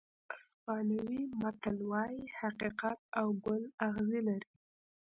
اسپانوي متل وایي حقیقت او ګل اغزي لري.